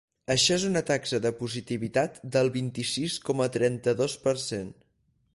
Això és una taxa de positivitat del vint-i-sis coma trenta-dos per cent.